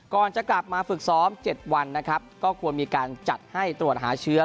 ก่อนจะกลับมาฝึกซ้อม๗วันนะครับก็ควรมีการจัดให้ตรวจหาเชื้อ